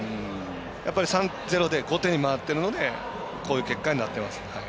やっぱり３対０で後手に回っているのでこういう結果になってます。